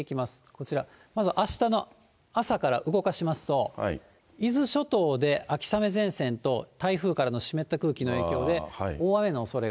こちら、まずあしたの朝から動かしますと、伊豆諸島で秋雨前線と、台風からの湿った空気の影響で大雨のおそれが。